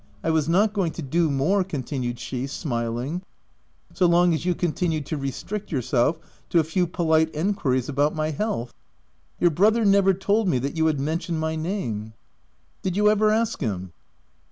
I was not going to do more/' continued she, smiling, " so long as you continued to restrict yourself to a few polite enquiries about my health. 5 '" Your brother never told me that you had mentioned my name/ 5 "Did you ever ask him